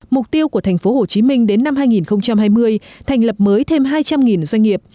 mục tiêu của thành phố hồ chí minh đến năm hai nghìn hai mươi thành lập mới thêm hai trăm linh doanh nghiệp